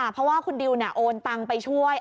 เพราะว่าคุณดิวโอนตังไปช่วย